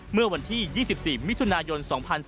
เมื่อวันที่๒๔มิถุนายน๒๔